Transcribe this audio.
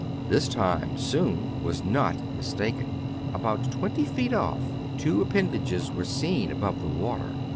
This time Soun was not mistaken. About twenty feet off, two appendages were seen above the water.